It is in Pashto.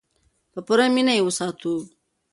په پوره مینه یې وساتو.